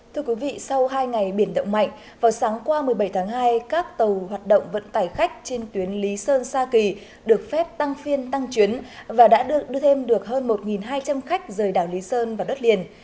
thưa quý vị sau hai ngày biển động mạnh vào sáng qua một mươi bảy tháng hai các tàu hoạt động vận tải khách trên tuyến lý sơn sa kỳ được phép tăng phiên tăng chuyến và đã đưa thêm được hơn một hai trăm linh khách rời đảo lý sơn vào đất liền